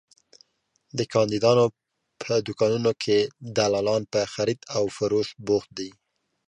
د کاندیدانو په دوکانونو کې دلالان په خرید او فروش بوخت دي.